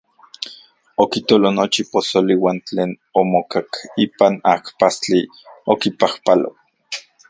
Okitolo nochi posoli uan tlen omokak ipan ajpastli, okipajpalo.